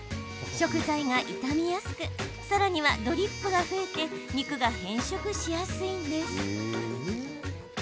食材が傷みやすくさらにはドリップが増えて肉が変色しやすいんです。